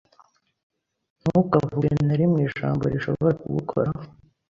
Ntukavuge na rimwe ijambo rishobora kugukoraho